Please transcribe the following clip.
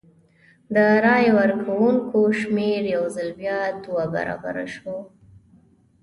د رای ورکوونکو شمېر یو ځل بیا دوه برابره شو.